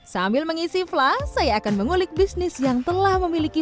sambil mengisi flah saya akan mengulik bisnis yang telah memiliki